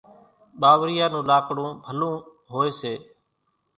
ٻاوريئا نون لاڪڙون ڀلون هوئيَ سي۔